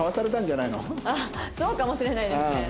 あっそうかもしれないですね。